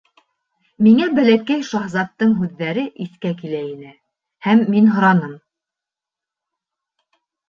Миңә Бәләкәй шаһзаттың һүҙҙәре иҫкә килә ине, һәм мин һораным: